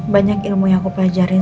banyak ilmu yang aku pelajarin